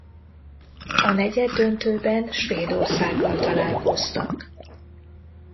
A negyeddöntőben Svédországgal találkoztak.